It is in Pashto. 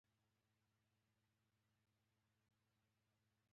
پنډ ، پنډ رڼا راوړمه ا ن شا الله